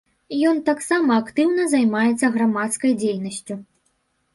Ён таксама актыўна займаецца грамадскай дзейнасцю.